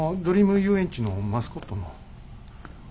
遊園地のマスコットの。